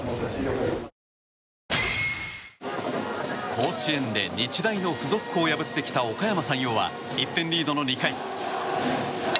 甲子園で日大の付属校を破ってきたおかやま山陽は１点リードの２回。